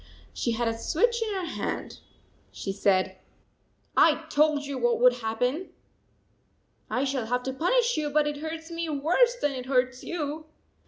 She had a switch in her hand. She said: " I told you what would happen ! I shall have to punish you, but it hurts me worse than it hurts you."